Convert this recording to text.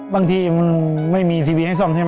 บางทีมันไม่มีทีวีให้ซ่อมใช่ไหม